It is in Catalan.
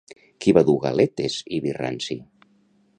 Qui va dur galetes i vi ranci?